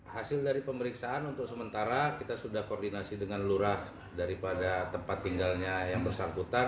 hasil dari pemeriksaan untuk sementara kita sudah koordinasi dengan lurah daripada tempat tinggalnya yang bersangkutan